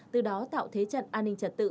từ đó tạo thế trận an ninh trật tự